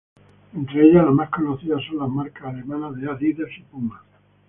Entre ellas, las más conocidas son la marcas alemanas de Adidas y Puma.